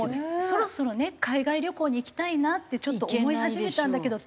そろそろね海外旅行に行きたいなってちょっと思い始めたんだけど。